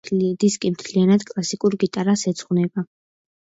დისკი მთლიანად კლასიკურ გიტარას ეძღვნება.